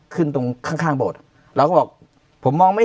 เป็นยังไงกลับมา